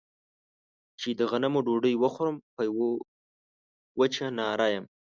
چې د غنمو ډوډۍ وخورم په يوه وچه ناره يم.